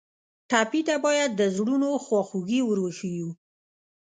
ټپي ته باید د زړونو خواخوږي ور وښیو.